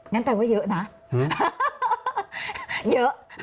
งั้นแปลว่าเยอะนะเยอะ